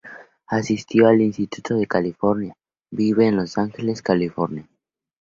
Asistió al instituto en California.Vive en Los Angeles, California.